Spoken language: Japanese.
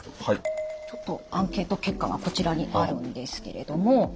ちょっとアンケート結果がこちらにあるんですけれども。